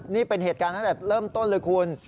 นี่เป็นเหตุการณ์ตั้งแต่เริ่มต้นเลยคุณ